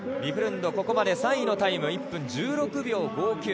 ここまで３位のタイム１分１６秒５９。